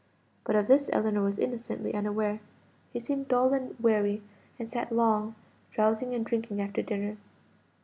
But of this Ellinor was innocently unaware. He seemed dull and weary, and sat long, drowsing and drinking after dinner.